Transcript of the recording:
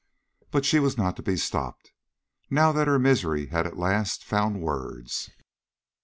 But she was not to be stopped, now that her misery had at last found words.